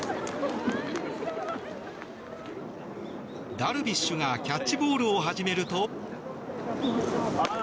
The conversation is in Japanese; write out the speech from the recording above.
ダルビッシュがキャッチボールを始めると。